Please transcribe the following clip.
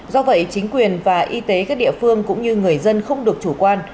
do vậy chính quyền và y tế các địa phương cũng như người dân không được chủ quan